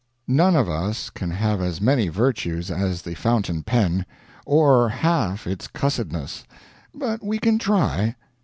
None of us can have as many virtues as the fountain pen, or half its cussedness; but we can try.